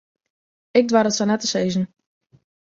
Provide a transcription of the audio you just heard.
Ik doar it sa net te sizzen.